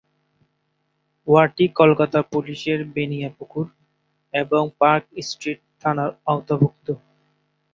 ওয়ার্ডটি কলকাতা পুলিশের বেনিয়াপুকুর এবং park street থানার আওতাভুক্ত।